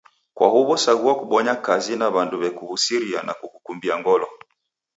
Kwa huw'o sagua kubonya kazi na w'andu w'ekuw'usiria na kukukumbia ngolo